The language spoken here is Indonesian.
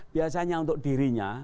biasanya untuk dirinya